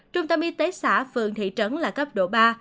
trung tâm y tế xã phường thị trấn là cấp độ ba